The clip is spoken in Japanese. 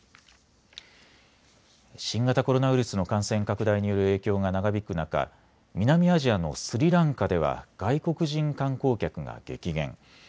新型コロナウイルスの感染拡大による影響が長引く中、南アジアのスリランカでは外国人観光客が激減。